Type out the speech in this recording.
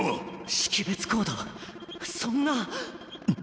識別コードそんな！